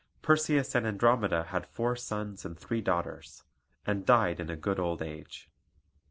Perseus and Andromeda had four sons and three daughters, and died in a good old age.